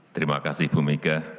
terima kasih ibu mega